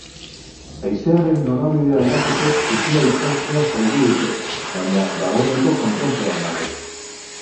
Haizearen norabide aldaketek sutea itzaltzea zaildu dute, baina dagoeneko kontrolpean dago.